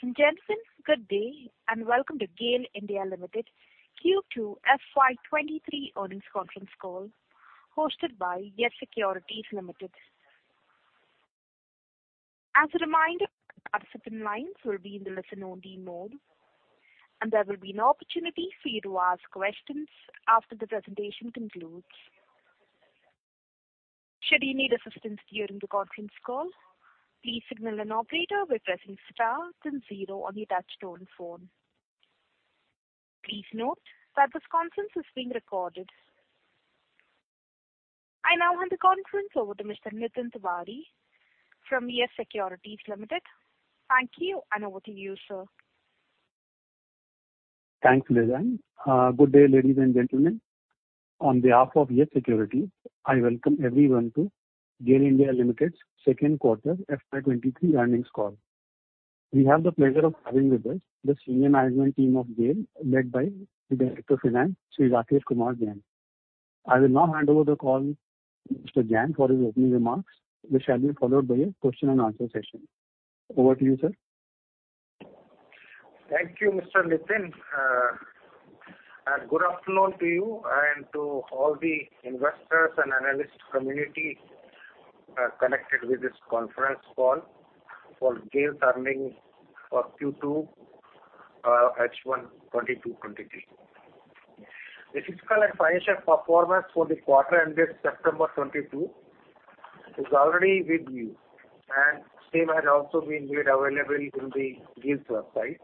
Ladies and gentlemen, good day and welcome to GAIL (India) Limited Q2 FY 23 earnings conference call hosted by YES Securities Limited. As a reminder, participant lines will be in the listen-only mode, and there will be an opportunity for you to ask questions after the presentation concludes. Should you need assistance during the conference call, please signal an operator by pressing star then zero on your touch-tone phone. Please note that this conference is being recorded. I now hand the conference over to Mr. Nitin Tiwari from YES Securities Limited. Thank you, and over to you, sir. Thanks, Lizanne. Good day, ladies and gentlemen. On behalf of YES Securities, I welcome everyone to GAIL (India) Limited's second quarter FY 2023 earnings call. We have the pleasure of having with us the senior management team of GAIL, led by the Director of Finance, Shri Rakesh Kumar Jain. I will now hand over the call to Mr. Jain for his opening remarks, which shall be followed by a question and answer session. Over to you, sir. Thank you, Mr. Nitin. Good afternoon to you and to all the investors and analyst community connected with this conference call for GAIL's earnings for Q2, H1 2022-23. The physical and financial performance for the quarter ended September 2022 is already with you, and the same has also been made available in the GAIL's website.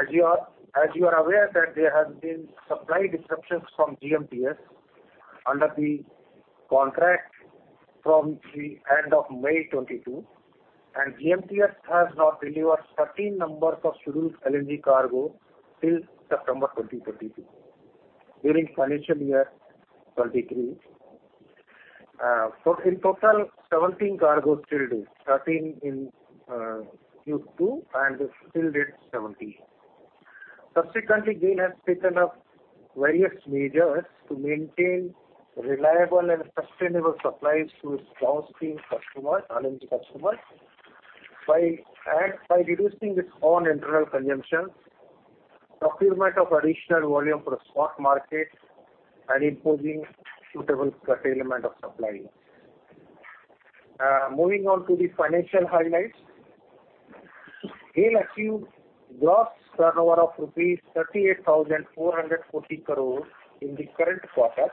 As you are aware that there have been supply disruptions from GMTS under the contract from the end of May 2022, and GMTS has not delivered 13 numbers of scheduled LNG cargo till September 2022 during financial year 2023. So in total, 17 cargo still due, 13 in Q2, and still due 17. Subsequently, GAIL has taken up various measures to maintain reliable and sustainable supplies to its downstream customers, LNG customers by reducing its own internal consumption, procurement of additional volume from the spot market, and imposing suitable curtailment of supply. Moving on to the financial highlights. GAIL achieved gross turnover of rupees 38,440 crore in the current quarter,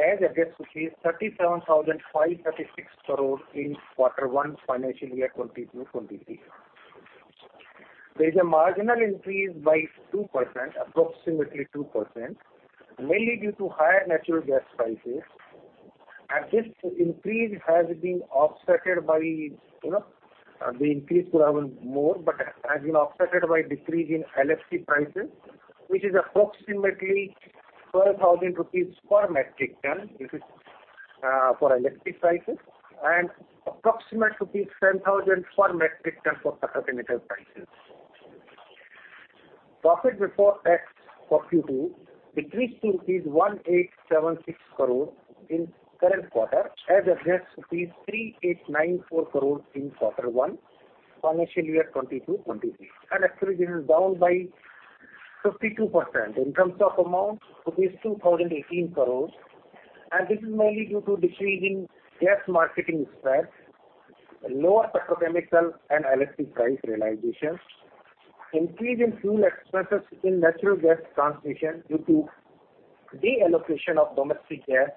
as against rupees 37,536 crore in quarter 1 financial year 2022-23. There is a marginal increase by 2%, approximately 2%, mainly due to higher natural gas prices. This increase has been offset by the increase could have been more, but has been offset by decrease in LPG prices, which is approximately 12,000 rupees per metric ton. This is for LPG prices and approximately 10,000 per metric ton for petrochemical prices. Profit before tax for Q2 decreased to rupees 1,876 crore in current quarter, as against 3,894 crore in Q1 financial year 2022-23. Actually this is down by 52%. In terms of amount, 2,018 crores, and this is mainly due to decrease in gas marketing spend, lower petrochemical and LHC price realization, increase in fuel expenses in natural gas transmission due to reallocation of domestic gas,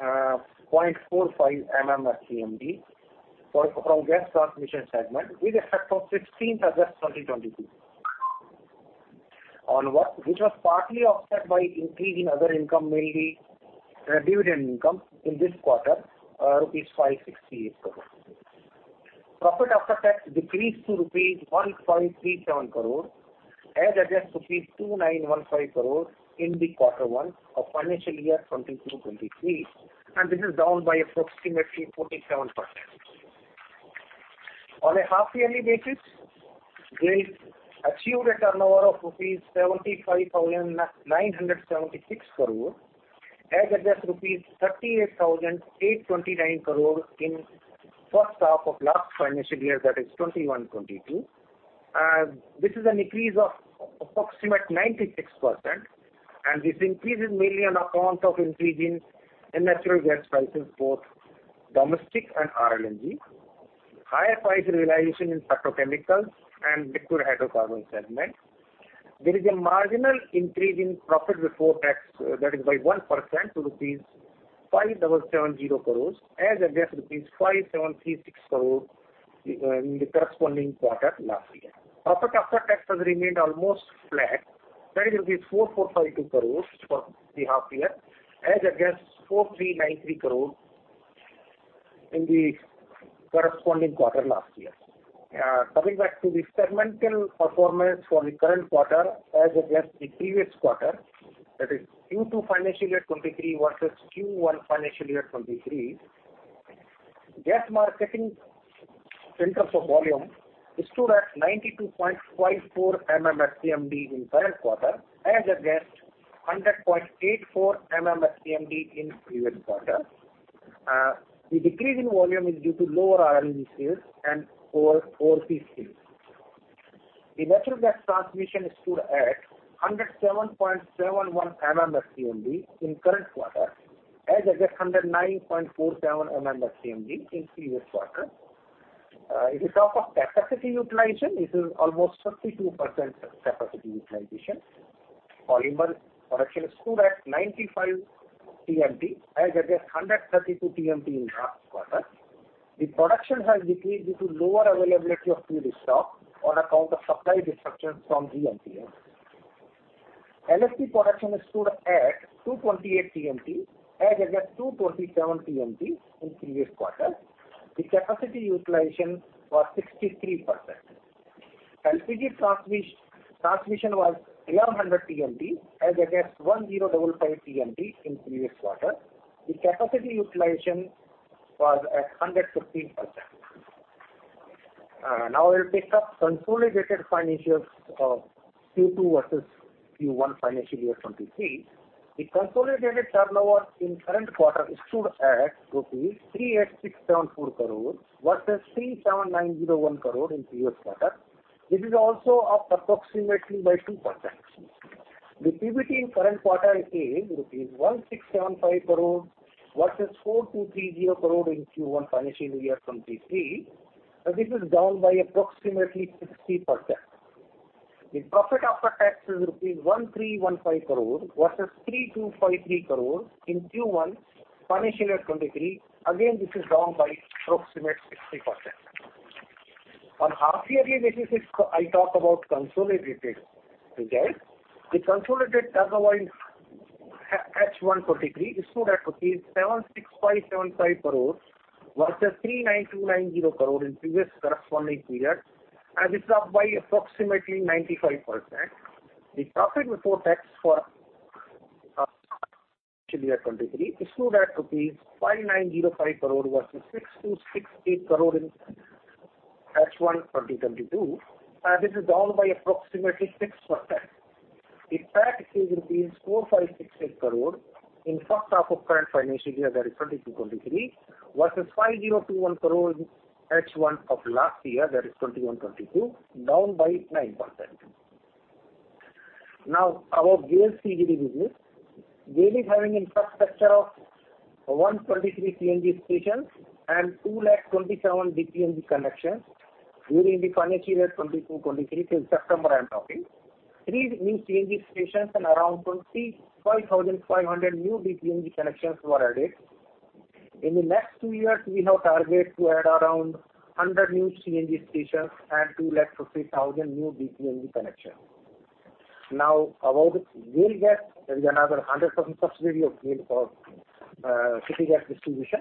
0.45 MMSCMD from gas transmission segment with effect from sixteenth August 2022 onward, which was partly offset by increase in other income, mainly, dividend income in this quarter, rupees five sixty-eight crore. Profit after tax decreased to rupees 1,370 crore as against rupees 2,915 crore in quarter one of financial year 2022-23, and this is down by approximately 47%. On a half-yearly basis, GAIL achieved a turnover of rupees 75,976 crore as against rupees 38,829 crore in first half of last financial year, that is, 2021-22. This is an increase of approximately 96%, and this increase is mainly on account of increase in natural gas prices, both domestic and RLNG, higher price realization in petrochemicals and liquid hydrocarbon segment. There is a marginal increase in profit before tax, that is by 1% to rupees 5,770 crores as against rupees 5,736 crore in the corresponding quarter last year. Profit after tax has remained almost flat, that is, 4452 crores for the half year, as against 4393 crore in the corresponding quarter last year. Coming back to the segmental performance for the current quarter as against the previous quarter, that is, Q2 financial year 2023 versus Q1 financial year 2023. Gas marketing in terms of volume stood at 92.54 MMSCMD in current quarter as against 100.84 MMSCMD in previous quarter. The decrease in volume is due to lower R-LNG sales and lower OPC. The natural gas transmission stood at 107.71 MMSCMD in current quarter, as against 109.47 MMSCMD in previous quarter. If we talk of capacity utilization, this is almost 52% capacity utilization. Polymeric production stood at 95 TMT, as against 132 TMT in last quarter. The production has decreased due to lower availability of feedstock on account of supply disruptions from GAIL. LSP production stood at 228 TMT, as against 227 TMT in previous quarter. The capacity utilization was 63%. LPG transmission was 1,100 TMT, as against 1,055 TMT in previous quarter. The capacity utilization was at 115%. Now we'll pick up consolidated financials of Q2 versus Q1 financial year 2023. The consolidated turnover in current quarter stood at rupees 3,867.4 crore versus 3,790.1 crore in previous quarter. This is also up approximately by 2%. The PBT in current quarter is rupees 1,675 crore versus 4,230 crore in Q1 financial year 2023. This is down by approximately 60%. The profit after tax is rupees 1,315 crore versus 3,253 crore in Q1 financial year 2023. Again, this is down by approximately 60%. On half yearly basis, I talk about consolidated results. The consolidated turnover in H1 2023 stood at 76,575 crores versus 39,290 crore in previous corresponding period. This is up by approximately 95%. The profit before tax for financial year 2023 stood at rupees 5,905 crore versus 6,268 crore in H1 2022. This is down by approximately 6%. The PAT is 4568 crore in first half of current financial year that is 2022-23 versus 5021 crore in H1 of last year, that is 2021-22, down by 9%. Now our GAIL CGD business. GAIL is having infrastructure of 123 CNG stations and 2 lakh 27 DPNG connections during the financial year 2022-23, till September I'm talking. 3 new CNG stations and around 25,500 new DPNG connections were added. In the next two years, we have target to add around 100 new CNG stations and 2 lakh 50 thousand new DPNG connections. Now about GAIL Gas, there is another 100% subsidiary of GAIL called City Gas Distribution.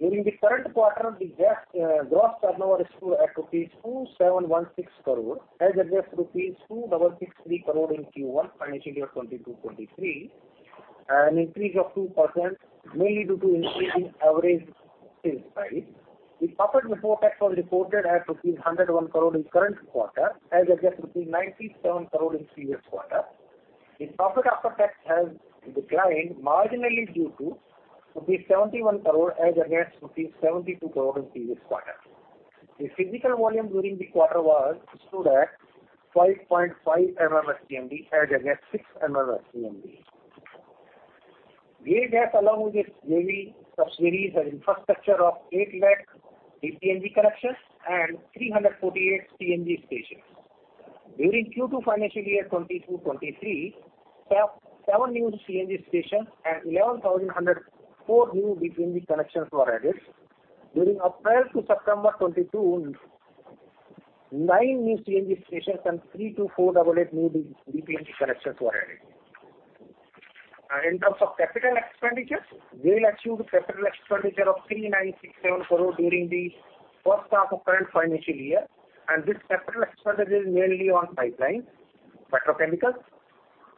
During the current quarter, the gas gross turnover stood at rupees 2,716 crore as against rupees 2,663 crore in Q1 financial year 2022-23. An increase of 2% mainly due to increase in average sales price. The profit before tax was reported at 101 crore in current quarter as against 97 crore in previous quarter. The profit after tax has declined marginally to 71 crore as against 72 crore in previous quarter. The physical volume during the quarter stood at 5.5 MMSCMD as against 6 MMSCMD. GAIL Gas, along with its JV subsidiaries, has infrastructure of 8 lakh DPNG connections and 348 CNG stations. During Q2 financial year 2022-23, seven new CNG stations and 11,104 new DPNG connections were added. During April to September 2022, 9 new CNG stations and 3,248 new DPNG connections were added. In terms of capital expenditures, we will achieve capital expenditure of 3,967 crore during the first half of current financial year. This capital expenditure is mainly on pipelines, petrochemicals,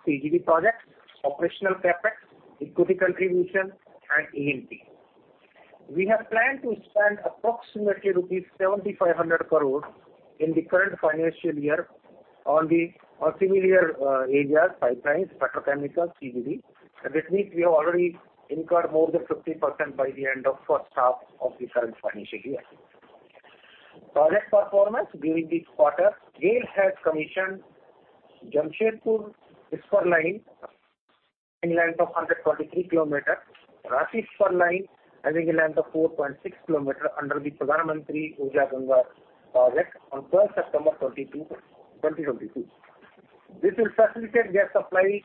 CGD projects, operational CapEx, equity contribution and ANP. We have planned to spend approximately rupees 7,500 crores in the current financial year on similar areas, pipelines, petrochemicals, CGD. This means we have already incurred more than 50% by the end of first half of the current financial year. Project performance during this quarter, GAIL has commissioned Jamshedpur spur line, having length of 143 kilometers, Ranchi spur line having a length of 4.6 kilometers under the Pradhan Mantri Urja Ganga project on first September 2022. This will facilitate gas supplies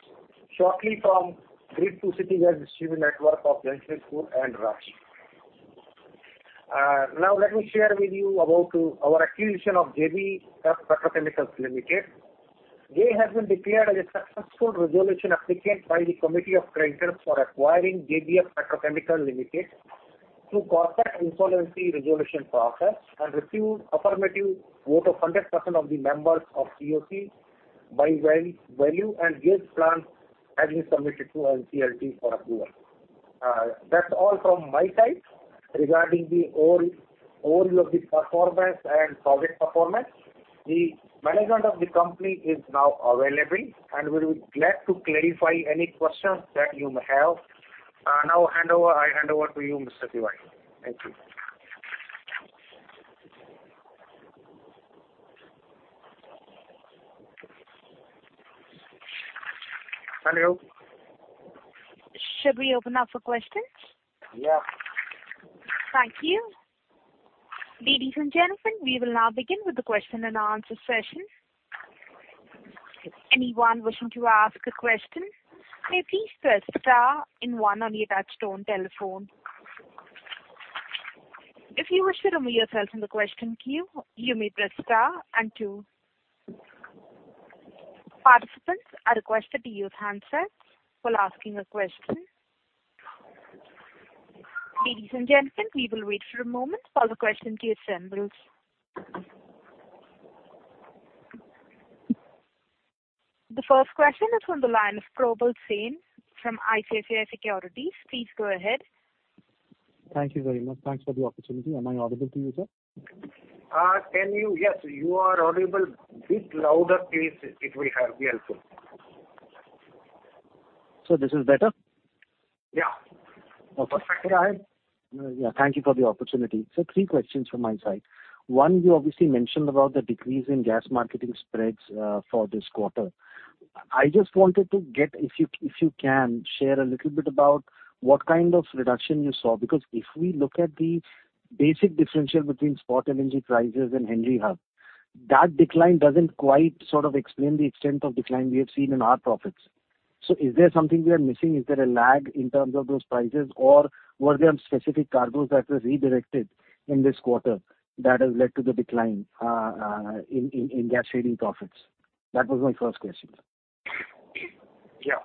shortly from grid to city gas distribution network of Jamshedpur and Ranchi. Now let me share with you about our acquisition of JBF Petrochemicals Limited. GAIL has been declared as a successful resolution applicant by the Committee of Creditors for acquiring JBF Petrochemicals Limited through corporate insolvency resolution process and received affirmative vote of 100% of the members of CoC by value, and GAIL's plan has been submitted to NCLT for approval. That's all from my side. Regarding the overall performance and project performance. The management of the company is now available, and we'll be glad to clarify any questions that you may have. Now I hand over to you, Mr. Tiwari. Thank you. Hello. Should we open up for questions? Yeah. Thank you. Ladies and gentlemen, we will now begin with the question and answer session. Anyone wishing to ask a question, may please press star and one on your touchtone telephone. If you wish to remove yourself from the question queue, you may press star and two. Participants are requested to use handsets while asking a question. Ladies and gentlemen, we will wait for a moment while the question queue assembles. The first question is from the line of Prabal Singh from ICICI Securities. Please go ahead. Thank you very much. Thanks for the opportunity. Am I audible to you, sir? Yes, you are audible. A bit louder, please. It will help me. This is better? Yeah. Okay. Perfect. Thank you for the opportunity. Three questions from my side. One, you obviously mentioned about the decrease in gas marketing spreads for this quarter. I just wanted to get, if you can, share a little bit about what kind of reduction you saw. Because if we look at the basic differential between spot LNG prices and Henry Hub, that decline doesn't quite sort of explain the extent of decline we have seen in our profits. Is there something we are missing? Is there a lag in terms of those prices? Or were there specific cargoes that were redirected in this quarter that has led to the decline in gas trading profits? That was my first question. Yeah.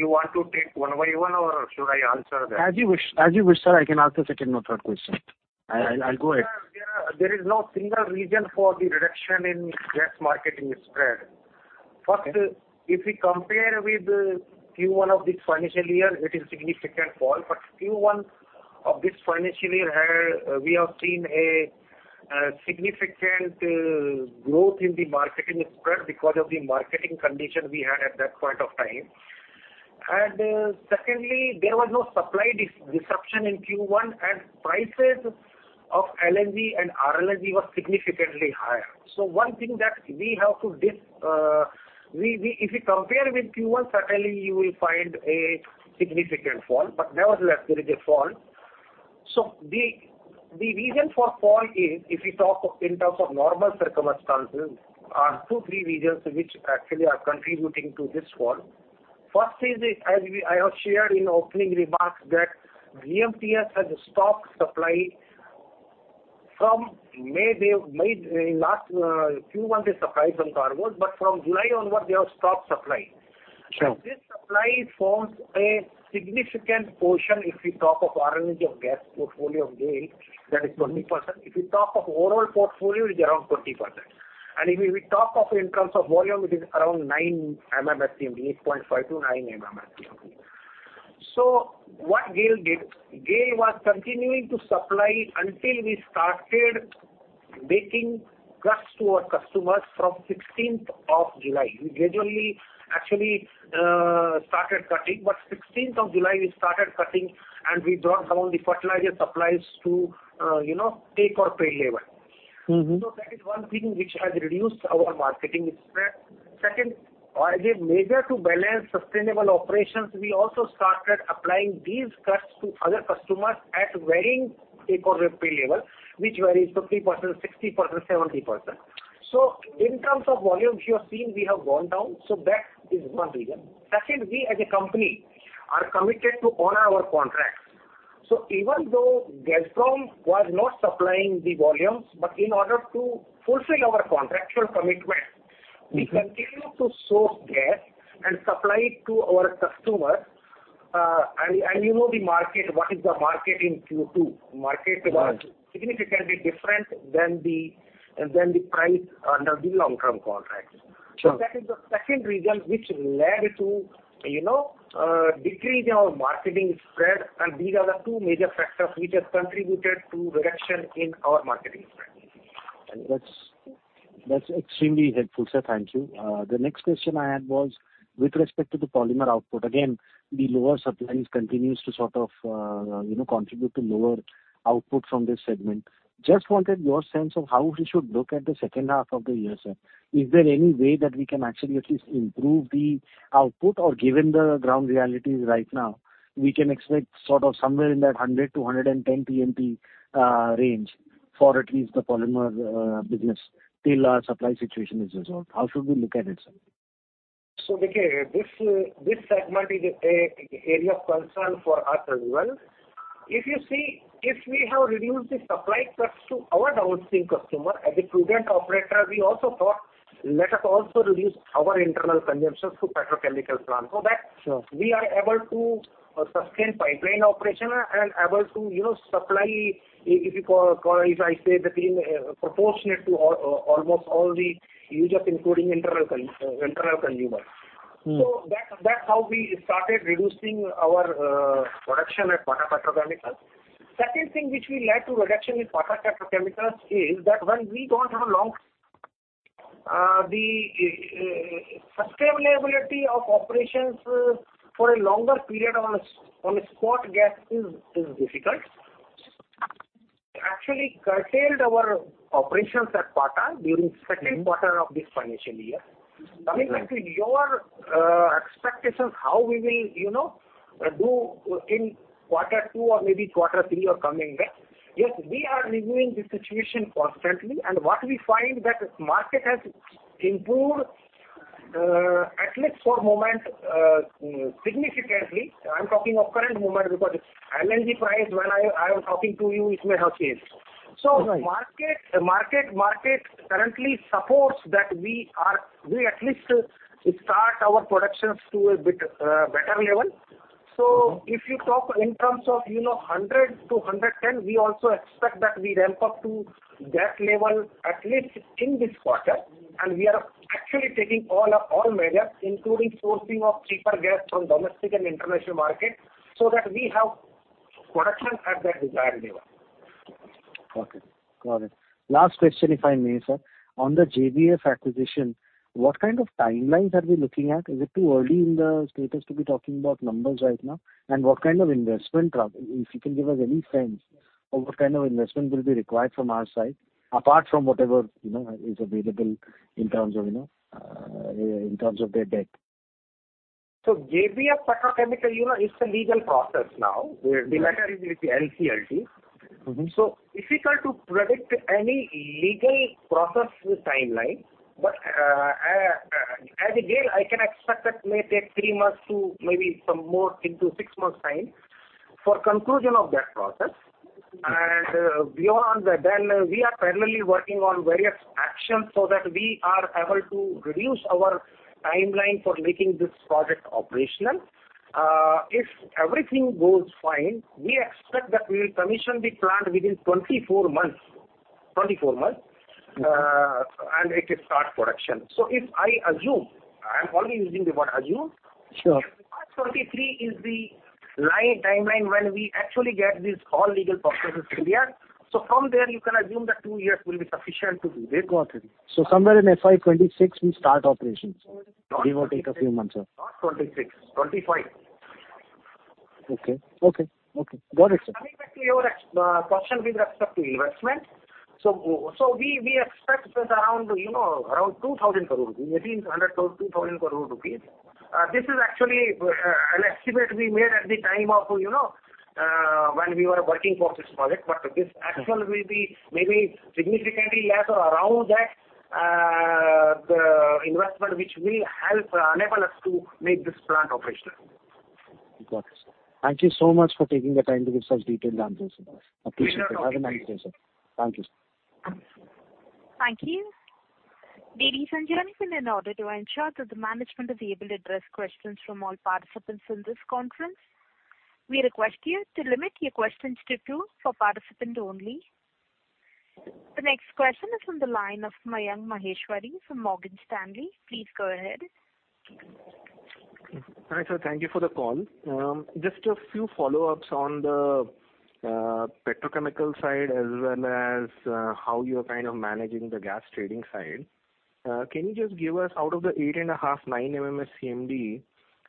You want to take one by one or should I answer them? As you wish, sir. I can also take a third question. I'll go ahead. There is no single reason for the reduction in gas marketing spread. Okay. First, if we compare with Q1 of this financial year, it is significant fall. Q1 of this financial year, we have seen a significant growth in the marketing spread because of the market condition we had at that point of time. Secondly, there was no supply disruption in Q1, and prices of LNG and RLNG was significantly higher. One thing that we have to, if we compare with Q1, certainly you will find a significant fall. Nevertheless, there is a fall. The reason for fall is, if we talk of in terms of normal circumstances, are two, three reasons which actually are contributing to this fall. First is, as I have shared in opening remarks that GMTS has stopped supply from May. In last Q1, they supplied some cargoes, but from July onward, they have stopped supplying. Sure. This supply forms a significant portion. If we talk of our LNG of gas portfolio of GAIL, that is 20%. If we talk of overall portfolio, it is around 40%. If we talk of in terms of volume, it is around 9 MMSCMD, 8.5-9 MMSCMD. What GAIL did, GAIL was continuing to supply until we started making cuts to our customers from 16th of July. We gradually actually started cutting, but 16th of July we started cutting, and we brought down the fertilizer supplies to, you know, take-or-pay level. Mm-hmm. That is one thing which has reduced our marketing spread. Second, as a measure to balance sustainable operations, we also started applying these cuts to other customers at varying take-or-pay level, which varies 50%, 60%, 70%. In terms of volume, you have seen we have gone down, so that is one reason. Second, we as a company are committed to honor our contracts. Even though Gazprom was not supplying the volumes, but in order to fulfill our contractual commitment. Mm-hmm. We continue to source gas and supply it to our customers. You know the market, what is the market in Q2. Market was- Right. Significantly different than the price under the long-term contracts. Sure. That is the second reason which led to, you know, decrease in our marketing spread. These are the two major factors which has contributed to reduction in our marketing spread. That's extremely helpful, sir. Thank you. The next question I had was with respect to the polymer output. Again, the lower supplies continues to sort of, you know, contribute to lower output from this segment. Just wanted your sense of how we should look at the second half of the year, sir. Is there any way that we can actually at least improve the output? Or given the ground realities right now, we can expect sort of somewhere in that 100-110 PMP range for at least the polymer business till our supply situation is resolved. How should we look at it, sir? This segment is an area of concern for us as well. If you see, if we have reduced the supply cuts to our downstream customer, as a prudent operator, we also thought, let us also reduce our internal consumption to petrochemical plant. Sure. We are able to sustain pipeline operation and able to, you know, supply if you call, if I say between proportionate to almost all the users, including internal consumer. That's how we started reducing our production at Pata Petrochemicals. Second thing which will lead to reduction in Pata Petrochemicals is that when we don't have a long the sustainability of operations for a longer period on a spot gas is difficult. Actually curtailed our operations at Pata during second quarter of this financial year. Coming back to your expectations, how we will, you know, do in quarter two or maybe quarter three or coming back. Yes, we are reviewing the situation constantly. What we find that market has improved, at least for moment, significantly. I'm talking of current moment because LNG price, when I am talking to you, it may have changed. Right. Market currently supports that we at least start our productions to a bit better level. Mm-hmm. If you talk in terms of, you know, 100-110, we also expect that we ramp up to that level, at least in this quarter. We are actually taking all measures, including sourcing of cheaper gas from domestic and international market, so that we have production at the desired level. Okay. Got it. Last question, if I may, sir. On the JBF acquisition, what kind of timelines are we looking at? Is it too early in the process to be talking about numbers right now? What kind of investment will be required from our side, apart from whatever, you know, is available in terms of, you know, in terms of their debt? JBF Petrochemicals, you know, it's a legal process now. The letter is with NCLT. Mm-hmm. Difficult to predict any legal process timeline. As a deal, I can expect that may take 3 months to maybe some more into 6 months time for conclusion of that process. Beyond that, we are parallelly working on various actions so that we are able to reduce our timeline for making this project operational. If everything goes fine, we expect that we will commission the plant within 24 months. Mm-hmm. It will start production. If I assume, I am only using the word assume. Sure. March 2023 is the timeline when we actually get this all legal processes cleared. From there you can assume that two years will be sufficient to do this. Got it. Somewhere in FY 26 we start operations. Give or take a few months, sir. Not 2026, 2025. Okay. Got it, sir. Coming back to your question with respect to investment. We expect that around 2,000 crore, 1,800-2,000 crore rupees. This is actually an estimate we made at the time when we were working for this project. This actual will be maybe significantly less around that, the investment which will help enable us to make this plant operational. Got it, sir. Thank you so much for taking the time to give such detailed answers to us. Appreciate it. Have a nice day, sir. Thank you, sir. Thank you. Thank you. Ladies and gentlemen, in order to ensure that the management is able to address questions from all participants in this conference, we request you to limit your questions to two per participant only. The next question is from the line of Mayank Maheshwari from Morgan Stanley. Please go ahead. Hi, sir. Thank you for the call. Just a few follow-ups on the petrochemical side, as well as how you are kind of managing the gas trading side. Can you just give us out of the 8.5-9 MMSCMD,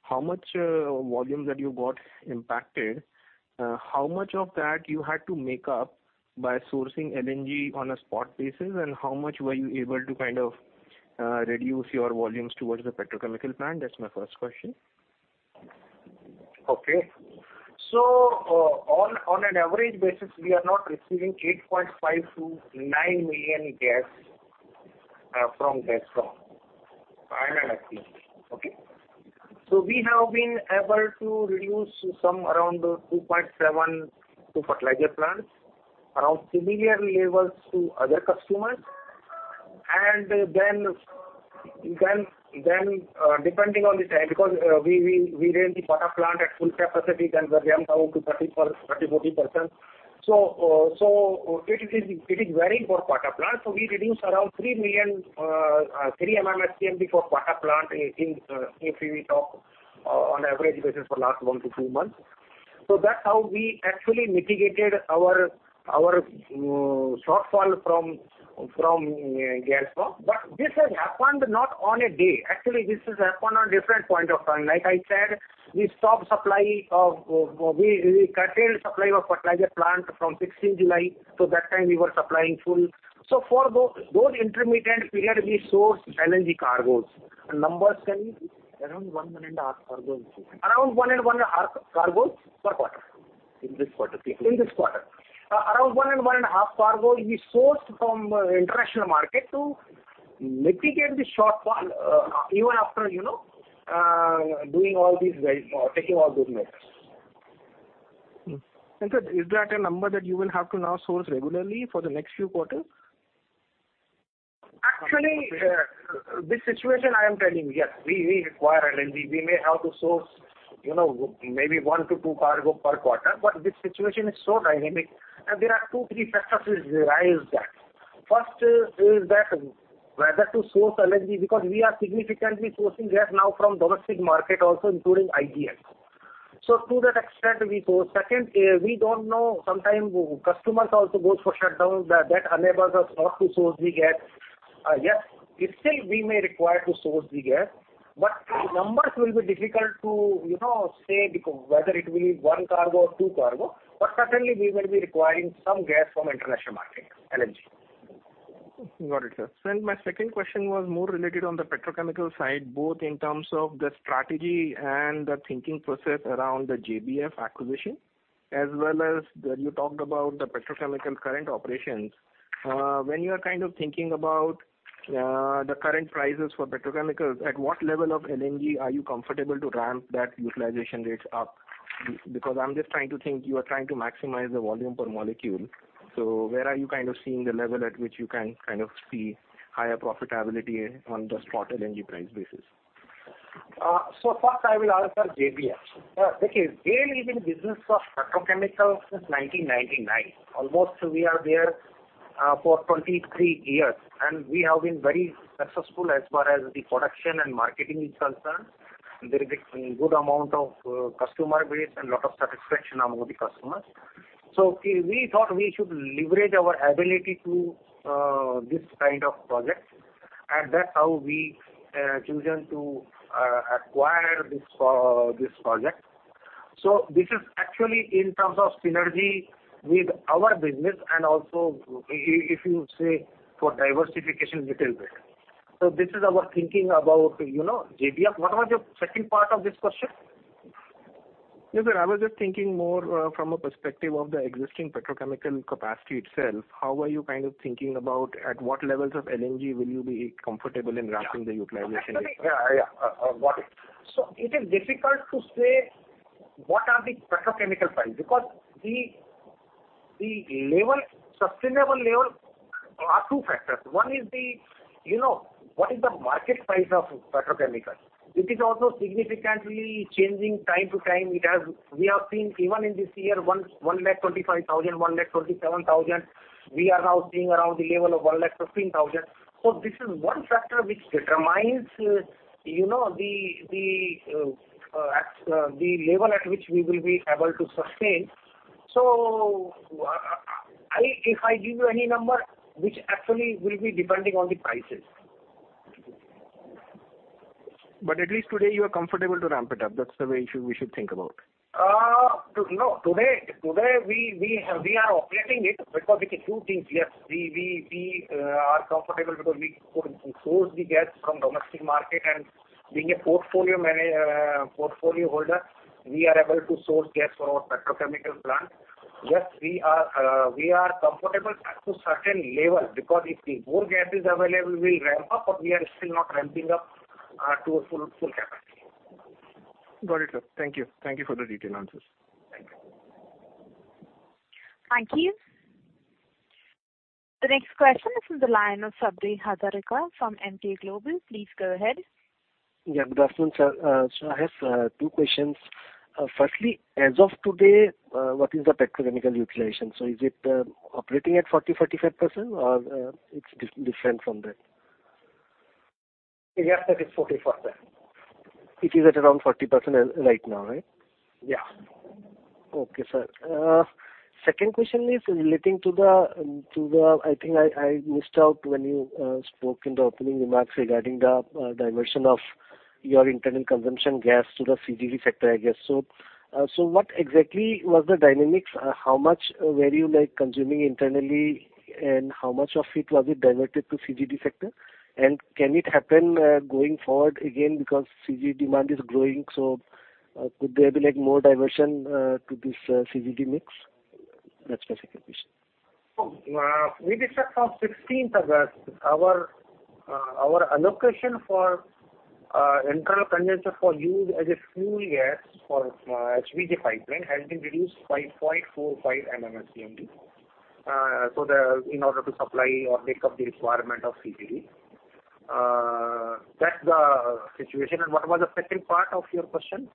how much volume that you got impacted? How much of that you had to make up by sourcing LNG on a spot basis? How much were you able to kind of reduce your volumes towards the petrochemical plant? That's my first question. Okay. On an average basis, we are not receiving 8.5-9 million gas from Gazprom. I mean LNG. Okay? We have been able to reduce some around 2.7 to fertilizer plants, around similar levels to other customers. Then depending on the time, because we ran the Pata plant at full capacity, then we ramped down to 34, 30, 40%. It is varying for Pata plant. We reduced around 3 MMSCMD for Pata plant if we talk on average basis for last 1-2 months. That's how we actually mitigated our shortfall from Gazprom. But this has happened not on a day. Actually, this has happened on different point of time. Like I said, we curtailed supply of fertilizer plant from 16th July. Till that time we were supplying full. For those intermittent period, we sourced LNG cargos. Numbers can you give? Around 1.5 cargoes. Around 1.5 cargoes per quarter. In this quarter? In this quarter, around one and a half cargo we sourced from international market to mitigate the shortfall, even after, you know, doing all these, taking all these measures. Sir, is that a number that you will have to now source regularly for the next few quarters? Actually, this situation I am telling, yes, we require LNG. We may have to source, you know, maybe 1-2 cargo per quarter. This situation is so dynamic, and there are 2-3 factors which arise that. First is that whether to source LNG, because we are significantly sourcing gas now from domestic market also including IGL. To that extent we source. Second, we don't know, sometimes customers also goes for shutdown, that enables us not to source the gas. Yes, still we may require to source the gas. The numbers will be difficult to, you know, say whether it will be 1 cargo or 2 cargo. Certainly we will be requiring some gas from international market, LNG. Got it, sir. My second question was more related on the petrochemical side, both in terms of the strategy and the thinking process around the JBF acquisition, as well as when you talked about the petrochemical current operations. When you are kind of thinking about the current prices for petrochemicals, at what level of LNG are you comfortable to ramp that utilization rates up? Because I'm just trying to think, you are trying to maximize the volume per molecule. Where are you kind of seeing the level at which you can kind of see higher profitability on the spot LNG price basis? First I will answer JBF. Look here, GAIL is in business of petrochemicals since 1999. Almost we are there for 23 years, and we have been very successful as far as the production and marketing is concerned. There is a good amount of customer base and lot of satisfaction among the customers. We thought we should leverage our ability to this kind of projects, and that's how we chosen to acquire this project. This is actually in terms of synergy with our business and also if you say for diversification little bit. This is our thinking about, you know, JBF. What was your second part of this question? Yes, sir. I was just thinking more from a perspective of the existing petrochemical capacity itself. How are you kind of thinking about at what levels of LNG will you be comfortable in ramping the utilization rate? Yeah. Yeah, got it. It is difficult to say what are the petrochemical price, because the sustainable level are two factors. One is, you know, what is the market price of petrochemical. It is also significantly changing from time to time. We have seen even in this year, 1.25 lakh, 1.27 lakh. We are now seeing around the level of 1.15 lakh. This is one factor which determines, you know, the level at which we will be able to sustain. If I give you any number, which actually will be depending on the prices. At least today you are comfortable to ramp it up. That's the way we should think about. No. Today we are operating it because it's two things. Yes, we are comfortable because we source the gas from domestic market, and being a portfolio holder, we are able to source gas for our petrochemical plant. Yes, we are comfortable up to certain level, because if more gas is available, we'll ramp up, but we are still not ramping up to a full capacity. Got it, sir. Thank you. Thank you for the detailed answers. Thank you. Thank you. The next question is from the line of Sabri Hazarika from Emkay Global. Please go ahead. Yeah. Good afternoon, sir. I have two questions. Firstly, as of today, what is the petrochemical utilization? Is it operating at 40%-45% or it's different from that? Yes, sir, it's 44%. It is at around 40% right now, right? Yeah. Okay, sir. Second question is relating to I think I missed out when you spoke in the opening remarks regarding the diversion of your internal consumption gas to the CGD sector, I guess. What exactly was the dynamics? How much were you, like, consuming internally, and how much of it was diverted to CGD sector? Can it happen going forward again because CGD demand is growing? Could there be, like, more diversion to this CGD mix? That's my second question. With effect from August 16, our allocation for internal consumption for use as a fuel gas for HVJ pipeline has been reduced by 0.45 MMSCMD. In order to supply or take up the requirement of CGD. That's the situation. What was the second part of your question?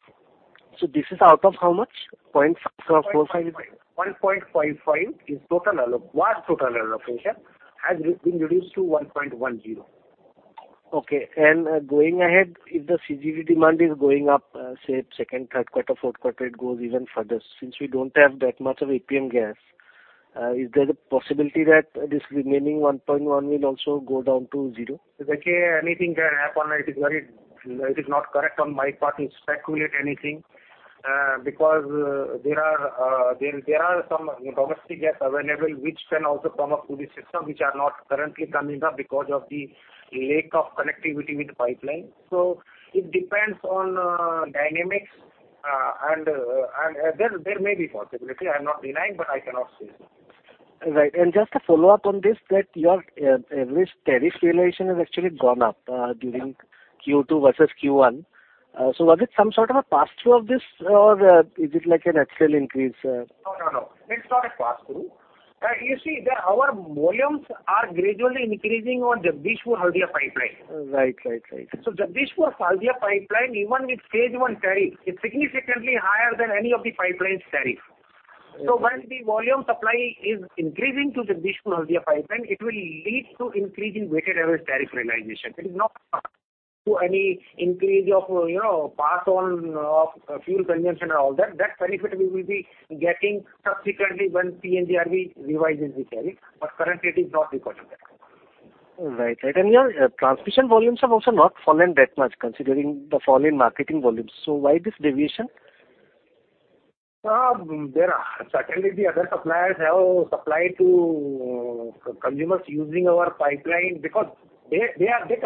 This is out of how much? 0.45- 1.55 was total allocation, has been reduced to 1.10. Okay. Going ahead, if the CGD demand is going up, say second, third, fourth quarter, it goes even further. Since we don't have that much of APM gas, is there a possibility that this remaining 1.1 will also go down to zero? Look here, anything can happen. It is not correct on my part to speculate anything, because there are some domestic gas available which can also come up to the system, which are not currently coming up because of the lack of connectivity with the pipeline. It depends on dynamics. There may be possibility. I'm not denying, but I cannot say anything. Right. Just a follow-up on this, that your average tariff realization has actually gone up during Q2 versus Q1. So was it some sort of a pass-through of this or is it like a natural increase? No, no. It's not a pass-through. You see that our volumes are gradually increasing on Jagdishpur-Haldia Pipeline. Right. Right. Right. Jagdishpur-Haldia pipeline, even with phase 1 tariff, is significantly higher than any of the pipeline's tariff. When the volume supply is increasing to Jagdishpur-Haldia pipeline, it will lead to increase in weighted average tariff realization. It is not due to any increase of, you know, pass on of fuel consumption and all that benefit we will be getting subsequently when PNGRB revises the tariff, but currently it is not reflected. Right. Right. Your transmission volumes have also not fallen that much considering the fall in marketing volumes. Why this deviation? There are certainly the other suppliers have supplied to consumers using our pipeline because they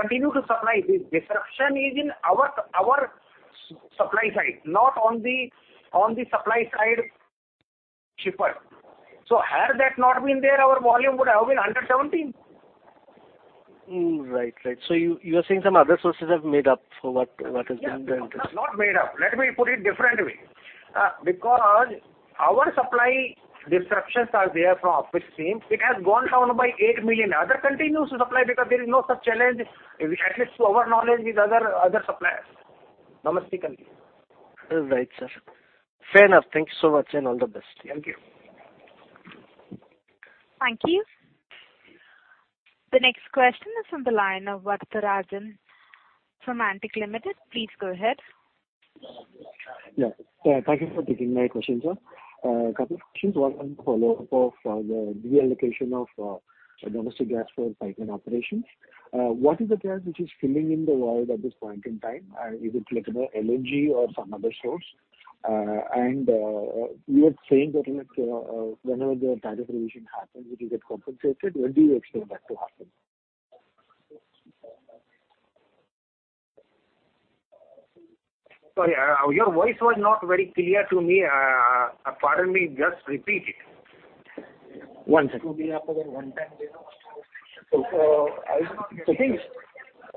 continue to supply. The disruption is in our supply side, not on the supply side shipper. Had that not been there, our volume would have been under 17. Right. You are saying some other sources have made up for what has been the? Not made up. Let me put it different way. Because our supply disruptions are there from upstream, it has gone down by 8 million. Others continue to supply because there is no such challenge, at least to our knowledge, with other suppliers. Right, sir. Fair enough. Thank you so much and all the best. Thank you. Thank you. The next question is from the line of Varatharajan from Antique Stock Broking Limited. Please go ahead. Yeah. Thank you for taking my question, sir. Couple of questions. One follow-up of the de-allocation of domestic gas for pipeline operations. What is the gas which is filling in the void at this point in time? Is it like an LNG or some other source? You were saying that whenever the tariff revision happens, it will get compensated. When do you expect that to happen? Sorry, your voice was not very clear to me. Pardon me, just repeat it. One second. Is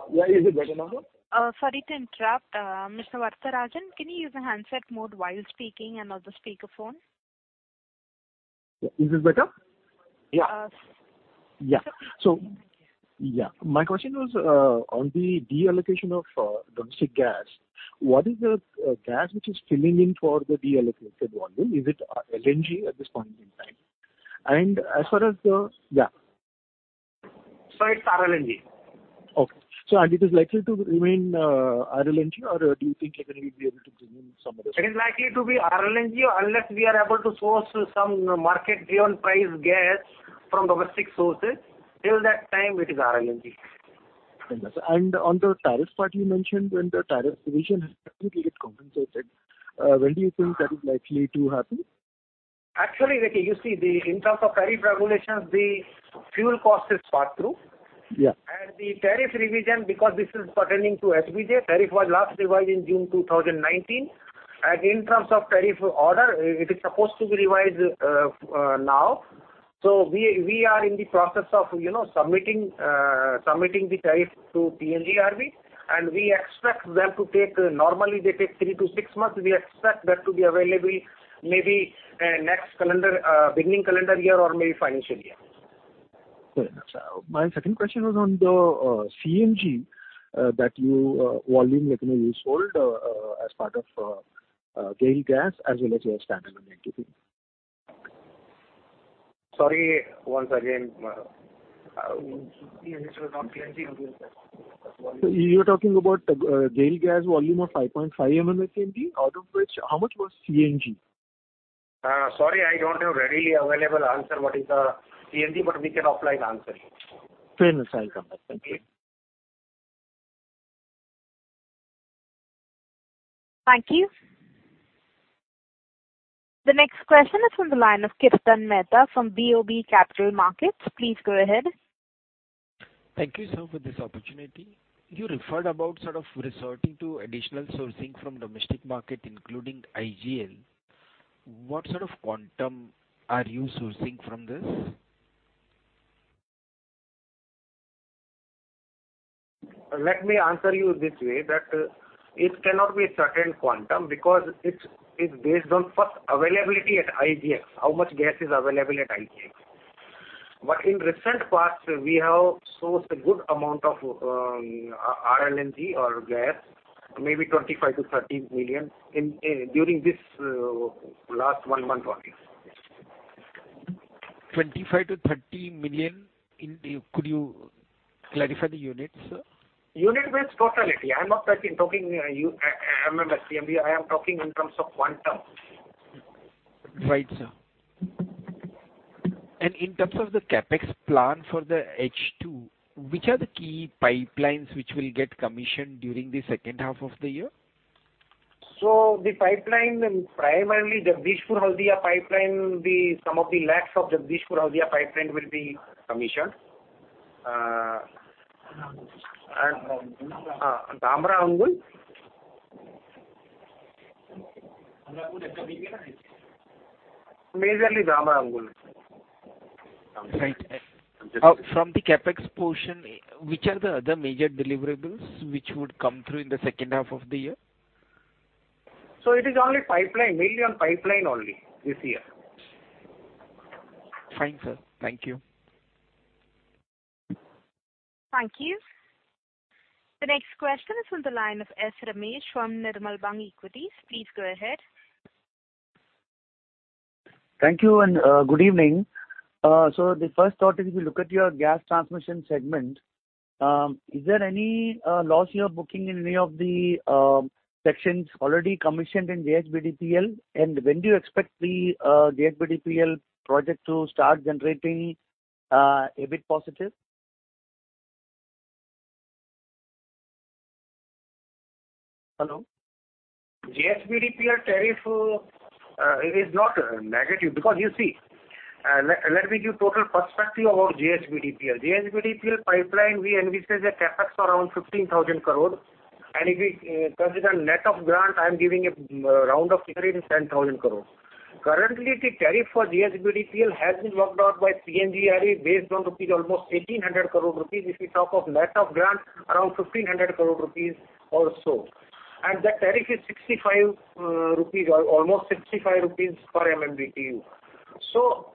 it better now? Sorry to interrupt. Mr. Varatharajan, can you use the handset mode while speaking and not the speaker phone? Is this better? Yeah. My question was on the de-allocation of domestic gas. What is the gas which is filling in for the de-allocated one? Is it LNG at this point in time? It's RLNG. Okay. It is likely to remain RLNG or do you think you can, you'll be able to bring in some other source? It is likely to be RLNG unless we are able to source some market-driven price gas from domestic sources. Till that time it is RLNG. On the tariff part you mentioned, when the tariff revision get compensated, when do you think that is likely to happen? Actually, you see in terms of tariff regulations, the fuel cost is passed through. Yeah. The tariff revision, because this is pertaining to HVJ, tariff was last revised in June 2019. In terms of tariff order, it is supposed to be revised now. We are in the process of submitting the tariff to PNGRB, and we expect them to take, normally they take three to six months. We expect that to be available maybe next calendar beginning calendar year or maybe financial year. Fair enough, sir. My second question was on the CNG volume that you know you sold as part of GAIL Gas as well as your standalone entity. Sorry, once again. It was not CNG. You were talking about GAIL Gas volume of 5.5 MMSCMD, out of which how much was CNG? Sorry, I don't have readily available answer what is the CNG, but we can offline answer you. Fair enough, sir. Thank you. Thank you. The next question is from the line of Kirtan Mehta from BOB Capital Markets. Please go ahead. Thank you, sir, for this opportunity. You referred about sort of resorting to additional sourcing from domestic market, including IGL. What sort of quantum are you sourcing from this? Let me answer you this way, that it cannot be a certain quantum because it's based on first availability at IGL, how much gas is available at IGL. In recent past, we have sourced a good amount of R-LNG or gas, maybe 25-30 million during this last one month only. 25 million-30 million. Could you clarify the units, sir? Unit means totality. I'm not talking, U, MMSCMD. I am talking in terms of quantum. Right, sir. In terms of the CapEx plan for the H2, which are the key pipelines which will get commissioned during the second half of the year? The pipeline and primarily Jagdishpur-Haldia pipeline, some of the legs of Jagdishpur-Haldia pipeline will be commissioned. Dhamra-Angul. Majorly Dhamra-Angul. Right. From the CapEx portion, which are the other major deliverables which would come through in the second half of the year? It is only pipeline, mainly on pipeline only this year. Fine, sir. Thank you. Thank you. The next question is from the line of S. Ramesh from Nirmal Bang Equities. Please go ahead. Thank you and good evening. The first thought, if you look at your gas transmission segment, is there any loss you are booking in any of the sections already commissioned in JHBDPL? When do you expect the JHBDPL project to start generating a bit positive? Hello? JHBDPL tariff, it is not negative because you see, let me give total perspective about JHBDPL. JHBDPL pipeline, we envisage a CapEx of around 15,000 crore. If we consider net of grant, I'm giving around 10,000 crore. Currently, the tariff for JHBDPL has been worked out by PNGRB based on almost 1,800 crore rupees. If we talk of net of grant, around 1,500 crore rupees or so. That tariff is 65 rupees or almost 65 rupees per MMBTU.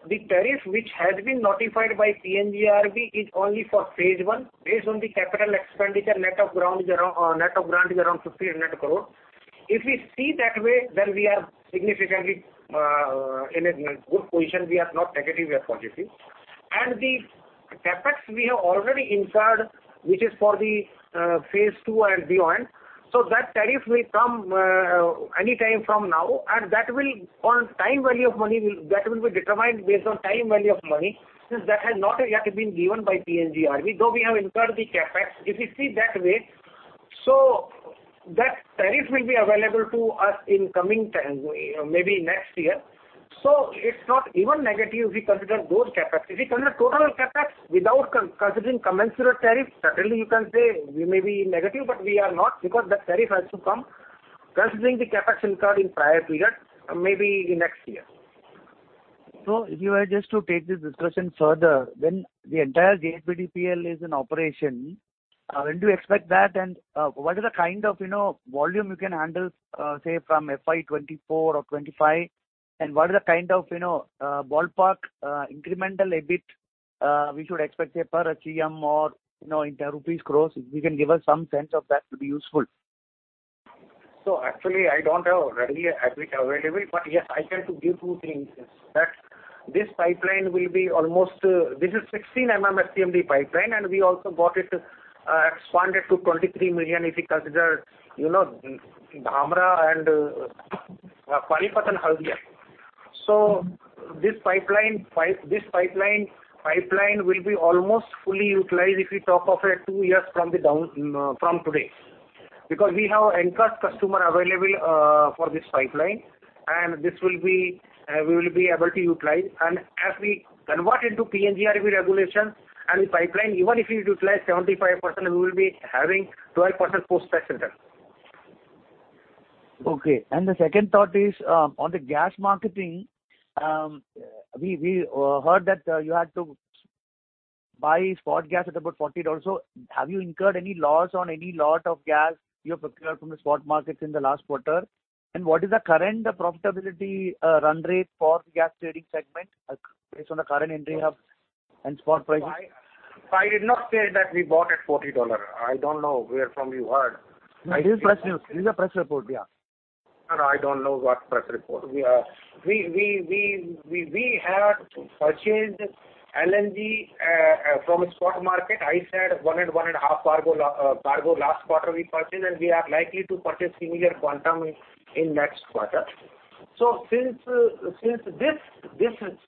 The tariff which has been notified by PNGRB is only for phase one. Based on the capital expenditure net of grant is around 1,500 crore. If we see that way, then we are significantly in a good position. We are not negative, we are positive. The CapEx we have already incurred, which is for the phase two and beyond. That tariff may come anytime from now, and that will be determined based on time value of money, since that has not yet been given by PNGRB, though we have incurred the CapEx, if you see that way. That tariff will be available to us in coming time, maybe next year. It's not even negative if we consider those CapEx. If we consider total CapEx without considering commensurate tariff, certainly you can say we may be negative, but we are not because that tariff has to come considering the CapEx incurred in prior period, maybe in next year. If you were just to take this discussion further, when the entire JHBDPL is in operation, when do you expect that and, what is the kind of, you know, volume you can handle, say from FY 2024 or 2025? What is the kind of, you know, ballpark, incremental EBIT, we should expect, say, per ACM or, you know, in rupees gross? If you can give us some sense of that would be useful. Actually I don't have really EBIT available. But yes, I can to give two things, is that this pipeline will be almost, this is 16 MMSCMD pipeline, and we also got it expanded to 23 million if we consider, you know, Dhamra and Haldia. This pipeline will be almost fully utilized if we talk of 2 years from today. Because we have anchor customer available for this pipeline, and this will be, we will be able to utilize. As we convert into PNGRB regulation and pipeline, even if we utilize 75%, we will be having 12% post-tax return. Okay. The second thought is on the gas marketing, we heard that you had to buy spot gas at about $40. Have you incurred any loss on any lot of gas you have procured from the spot markets in the last quarter? What is the current profitability run rate for gas trading segment based on the current entry hub and spot prices? I did not say that we bought at $40. I don't know where from you heard. It is press news. It is a press report, yeah. No, I don't know what press report. We have purchased LNG from spot market. I said one and a half cargo last quarter we purchased, and we are likely to purchase similar quantum in next quarter. Since this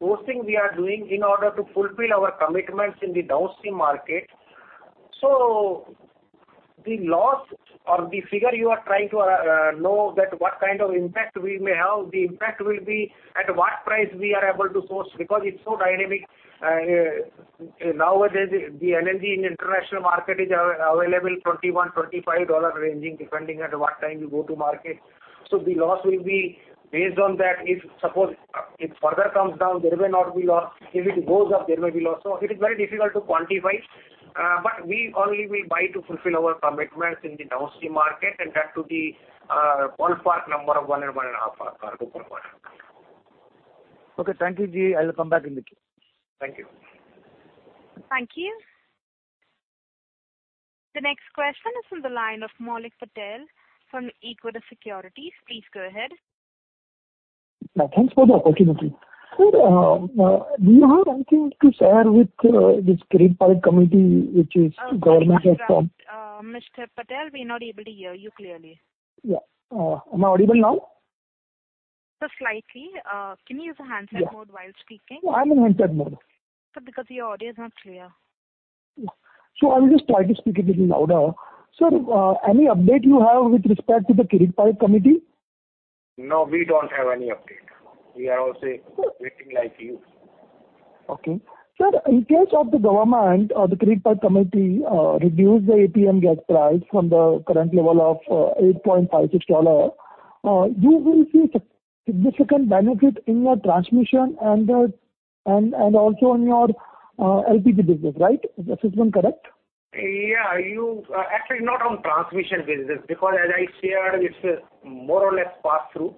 sourcing we are doing in order to fulfill our commitments in the downstream market. The loss or the figure you are trying to know that what kind of impact we may have, the impact will be at what price we are able to source because it's so dynamic. Nowadays the LNG in international market is available $21-$25 ranging depending at what time you go to market. The loss will be based on that. If suppose it further comes down, there may not be loss. If it goes up, there may be loss. It is very difficult to quantify, but we only will buy to fulfill our commitments in the downstream market and that, to the ballpark number of 1.5 cargo per quarter. Okay. Thank you, Ji. I will come back in the queue. Thank you. Thank you. The next question is from the line of Maulik Patel from Equirus Securities. Please go ahead. Thanks for the opportunity. Sir, do you have anything to share with this Kirit Parikh Committee, which the government has formed? Sorry to interrupt. Mr. Patel, we're not able to hear you clearly. Yeah. Am I audible now? Sir, slightly. Can you use a handset mode while speaking? Yeah, I'm in handset mode. Sir, because your audio is not clear. I will just try to speak a little louder. Sir, any update you have with respect to the Kirit Parikh Committee? No, we don't have any update. We are also waiting like you. Okay. Sir, in case of the government or the Kirit Parikh committee reduce the APM gas price from the current level of $8.56, you will see significant benefit in your transmission and also on your LPG business, right? Is the system correct? Yeah, actually not on transmission business, because as I shared, it's more or less pass through.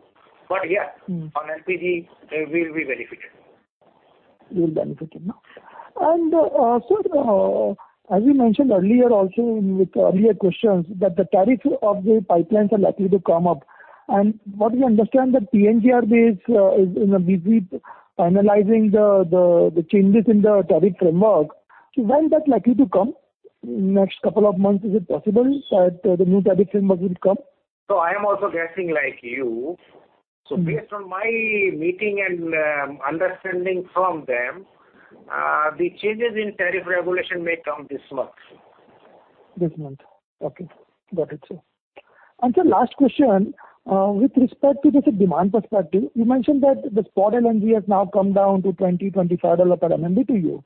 Yeah, on LPG, we will be benefited. You will benefit, you know. As you mentioned earlier also in with earlier questions, that the tariff of the pipelines are likely to come up. What we understand that PNGRB is, you know, busy analyzing the changes in the tariff framework. When that likely to come? Next couple of months, is it possible that the new tariff framework will come? I am also guessing like you. Mm-hmm. Based on my meeting and understanding from them, the changes in tariff regulation may come this month. This month. Okay. Got it, sir. Sir, last question. With respect to the demand perspective, you mentioned that the spot LNG has now come down to $20-$25 per MMBTU,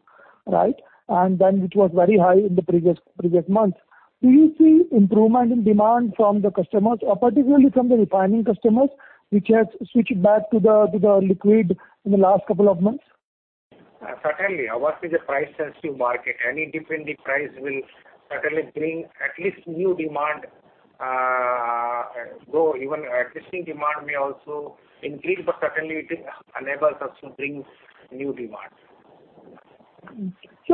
right? It was very high in the previous months. Do you see improvement in demand from the customers or particularly from the refining customers, which has switched back to the liquid in the last couple of months? Certainly. Our market is a price-sensitive market. Any difference in the price will certainly bring at least new demand. Though even existing demand may also increase, but certainly it enables us to bring new demand.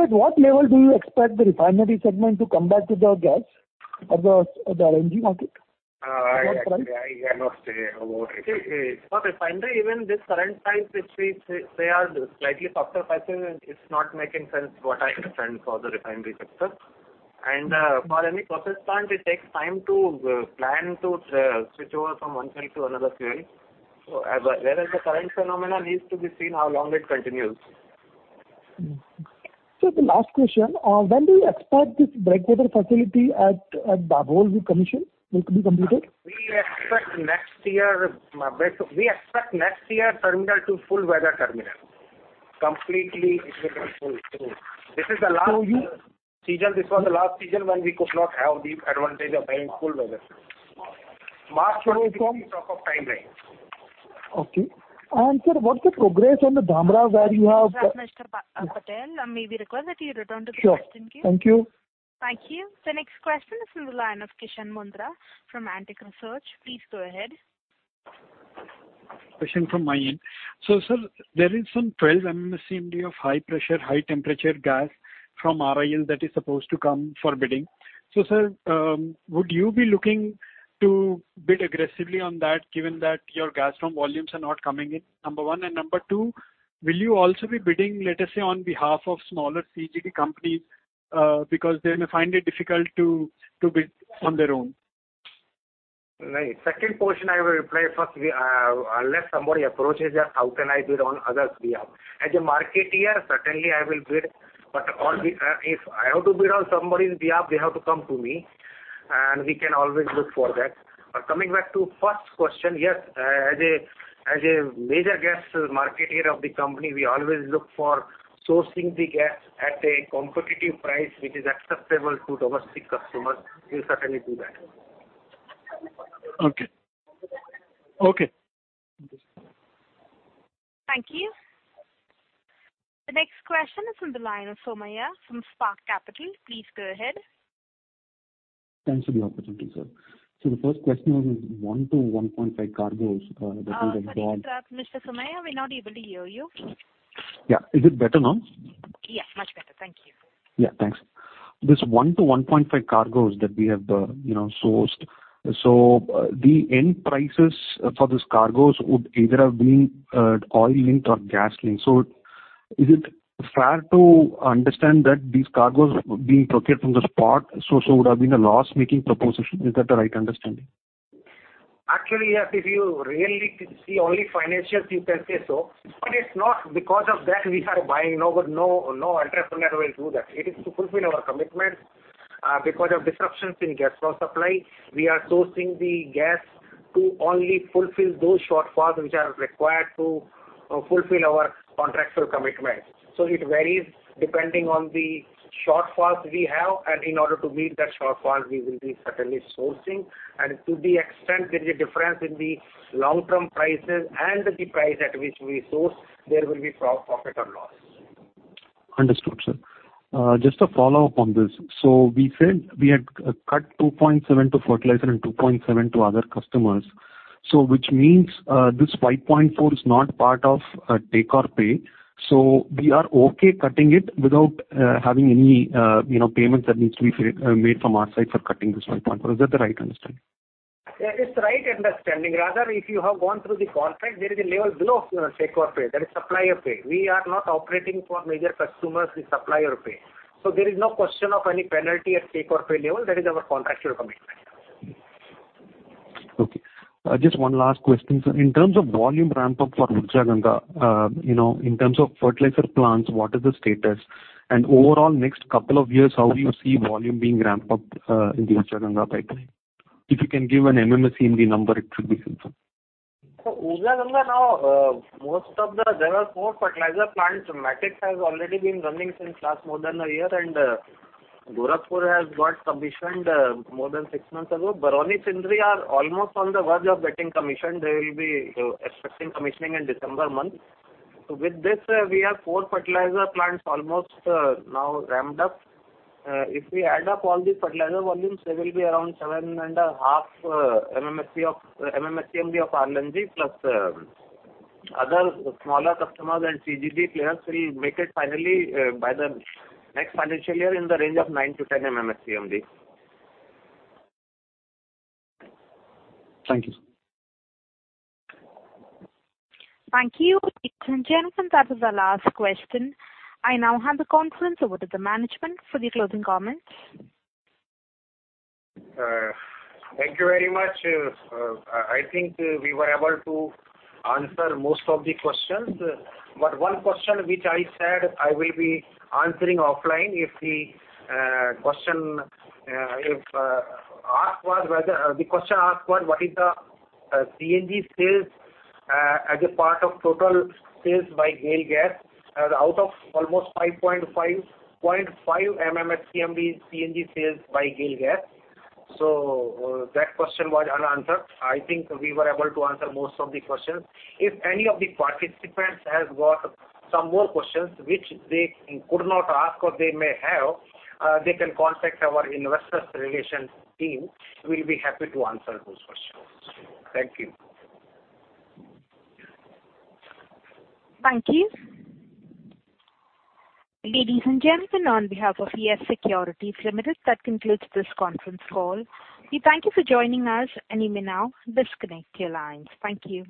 At what level do you expect the refinery segment to come back to the gas or the LNG market? What price? I cannot say about it. For refinery, even this current price which we say are slightly softer prices, it's not making sense what I understand for the refinery sector. For any process plant, it takes time to plan to switch over from one fuel to another fuel. Whereas the current phenomena needs to be seen how long it continues. Sir, the last question. When do you expect this breakwater facility at Dabhol to commission, to be completed? We expect next year terminal to full whether terminal. Completely it will be full. This is the last. So you- Season, this was the last season when we could not have the advantage of having full weather. March 2024 is sort of timeline. Okay. Sir, what's the progress on the Dhamra where you have the- Mr. Patel, may we request that you return to the question queue? Sure. Thank you. Thank you. The next question is from the line of Kirshan Mundra from Antique Research. Please go ahead. Question from my end. Sir, there is some 12 MMSCMD of high pressure, high temperature gas from RIL that is supposed to come for bidding. Sir, would you be looking to bid aggressively on that given that your gas volumes are not coming in, number one? Number two, will you also be bidding, let us say, on behalf of smaller CGD companies, because they may find it difficult to bid on their own? Right. Second portion, I will reply first. We, unless somebody approaches us, how can I bid on others' behalf? As a marketer, certainly I will bid. On the, if I have to bid on somebody's behalf, they have to come to me, and we can always look for that. Coming back to first question, yes, as a major gas marketer of the company, we always look for sourcing the gas at a competitive price which is acceptable to domestic customers. We'll certainly do that. Okay. Okay. Thank you. The next question is from the line of Prabal Sen from Spark Capital. Please go ahead. Thanks for the opportunity, sir. The first question was 1-1.5 cargoes that we have got. Sorry, Mr. Probal Sen, we're not able to hear you. Yeah. Is it better now? Yeah, much better. Thank you. Yeah, thanks. This 1-1.5 cargoes that we have you know sourced. The end prices for this cargoes would either have been oil linked or gas linked. Is it fair to understand that these cargoes being procured from the spot would have been a loss-making proposition? Is that the right understanding? Actually, yes. If you really see only financials, you can say so. It's not because of that we are buying. No, no entrepreneur will do that. It is to fulfill our commitment. Because of disruptions in gas flow supply, we are sourcing the gas to only fulfill those shortfalls which are required to fulfill our contractual commitment. It varies depending on the shortfalls we have, and in order to meet that shortfall, we will be certainly sourcing. To the extent there is a difference in the long-term prices and the price at which we source, there will be profit or loss. Understood, sir. Just a follow-up on this. We said we had cut 2.7 to fertilizer and 2.7 to other customers. Which means, this 5.4 is not part of take-or-pay. We are okay cutting it without having any, you know, payment that needs to be paid, made from our side for cutting this 5.4. Is that the right understanding? Yeah, it's the right understanding. Rather, if you have gone through the contract, there is a level below take or pay. That is supply or pay. We are not operating for major customers with supply or pay. There is no question of any penalty at take or pay level. That is our contractual commitment. Okay. Just one last question, sir. In terms of volume ramp up for Urja Ganga, you know, in terms of fertilizer plants, what is the status? Overall, next couple of years, how do you see volume being ramped up in the Urja Ganga pipeline? If you can give an MMSCMD number, it should be helpful. Urja Ganga now. There are four fertilizer plants. Matix has already been running since last more than a year, and Gorakhpur has got commissioned more than six months ago. Barauni, Sindri are almost on the verge of getting commissioned. They will be expecting commissioning in December. With this, we have four fertilizer plants almost now ramped up. If we add up all the fertilizer volumes, they will be around 7.5 MMSCMD of RLNG, plus other smaller customers and CGD players will make it finally by the next financial year in the range of 9-10 MMSCMD. Thank you. Thank you. Gentlemen, that was our last question. I now hand the conference over to the management for the closing comments. Thank you very much. I think we were able to answer most of the questions. One question which I said I will be answering offline if asked was whether the question asked was what is the CNG sales as a part of total sales by GAIL Gas. Out of almost 5.5 MMSCMD CNG sales by GAIL Gas. That question was unanswered. I think we were able to answer most of the questions. If any of the participants has got some more questions which they could not ask or they may have, they can contact our investor relations team. We'll be happy to answer those questions. Thank you. Thank you. Ladies and gentlemen, on behalf of Yes Securities Limited, that concludes this conference call. We thank you for joining us, and you may now disconnect your lines. Thank you.